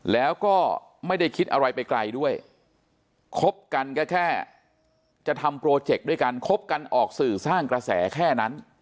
แล้วก็ไม่ได้คิดอะไรไปไกลด้วยคบกันก็แค่จะทำโปรเจคด้วยกันคบกันออกสื่อสร้างกระแสแค่นั้น